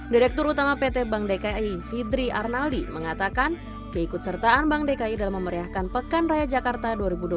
direktur utama pt bank dki fidri arnaldi mengatakan keikut sertaan bank dki dalam memeriahkan pekan raya jakarta dua ribu dua puluh tiga